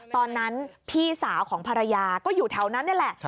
ตอนนั้นพี่สาวของภรรยาก็อยู่แถวนั้นนี่แหละ